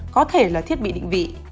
có thể là thiết bị định vị